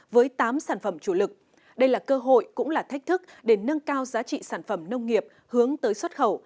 với tám sản phẩm chủ lực đây là cơ hội cũng là thách thức để nâng cao giá trị sản phẩm nông nghiệp hướng tới xuất khẩu